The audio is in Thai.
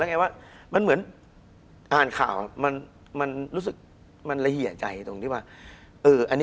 คุณผู้ชมบางท่าอาจจะไม่เข้าใจที่พิเตียร์สาร